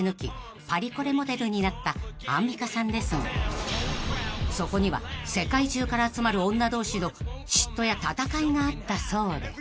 パリコレモデルになったアンミカさんですがそこには世界中から集まる女同士の嫉妬や戦いがあったそうで］